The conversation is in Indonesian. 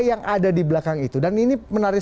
yang ada di belakang itu dan ini menarik